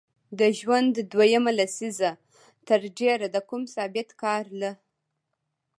د ژوند دویمه لسیزه تر ډېره د کوم ثابت کار له